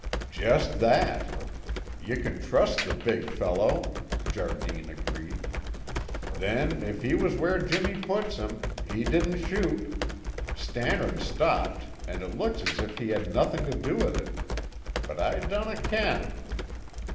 "Just that! Ye can trust the big fellow," Jardine agreed. "Then, if he was where Jimmy puts him, he didna shoot. Stannard stopped and it looks as if he had nothing to do wi' it; but I dinna ken.